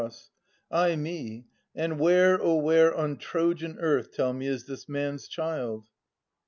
Ay me ! and where, oh where On Trojan earth, tell me, is this man's child?